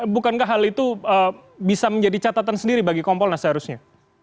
bukankah hal itu bisa menjadi catatan sendiri bagi kompolnas seharusnya